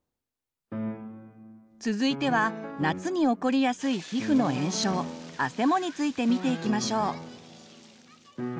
続いては夏に起こりやすい皮膚の炎症「あせも」について見ていきましょう。